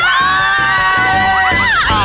น้าฮ่า